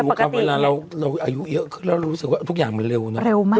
เราอายุเยอะแล้วรู้สึกว่าทุกอย่างเร็ว